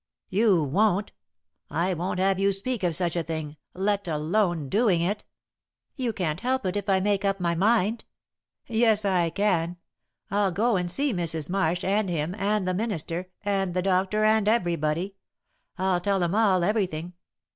"You won't. I won't have you speak of such a thing, let alone doing it." "You can't help it, if I make up my mind." "Yes, I can. I'll go and see Mrs. Marsh, and him, and the minister, and the doctor, and everybody. I'll tell 'em all everything.